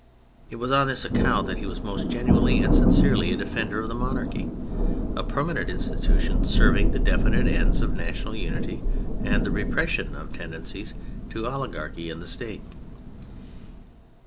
It was on this account that he was most genuinely and sincerely a defender of the monarchy : a permanent in stitution serving the definite ends of national unity and the repression of tendencies to oligarchy in the State.